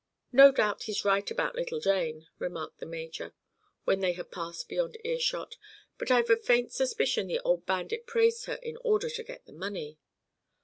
"No doubt he's right about little Jane," remarked the major, when they had passed beyond earshot, "but I've a faint suspicion the old bandit praised her in order to get the money."